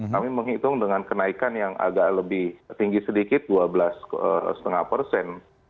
kami menghitung dengan kenaikan yang agak lebih tinggi sedikit dua belas lima persen